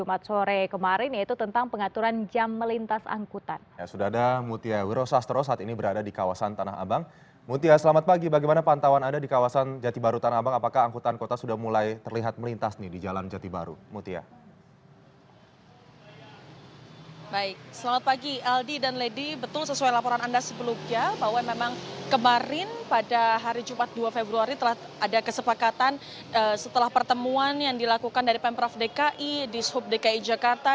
betul sesuai laporan anda sebelumnya bahwa memang kemarin pada hari jumat dua februari telah ada kesepakatan setelah pertemuan yang dilakukan dari pemprov dki di sub dki jakarta